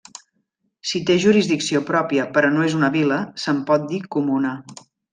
Si té jurisdicció pròpia però no és una vila, se'n pot dir comuna.